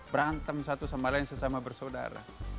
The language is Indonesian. berantem satu sama lain sesama bersaudara